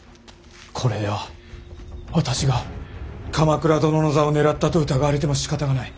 これでは私が鎌倉殿の座を狙ったと疑われてもしかたがない。